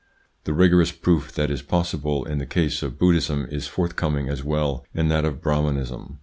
The rigorous proof that is possible in the case of Buddhism is forthcoming as well in that of Brah manism.